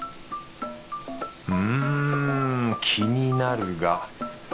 うん気になるが。